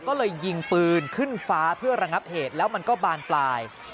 ก็เลยยิงปืนขึ้นฟ้าเพื่อระงับเหตุแล้วมันก็บานปลาย